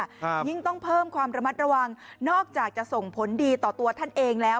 ยิ่งต้องเพิ่มความระมัดระวังนอกจากจะส่งผลดีต่อตัวท่านเองแล้ว